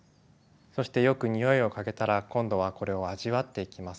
そしてよく匂いを嗅げたら今度はこれを味わっていきます。